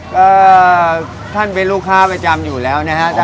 ก็ท่านเป็นลูกค้าประจำอยู่แล้วนะฮะ